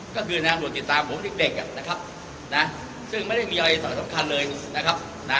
ก็คือทางตำรวจติดตามผมเด็กเด็กอ่ะนะครับนะซึ่งไม่ได้มีอะไรสำคัญเลยนะครับนะ